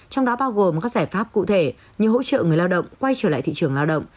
trong đó bao gồm các giải pháp cụ thể như hỗ trợ người lao động quay trở lại thị trường lao động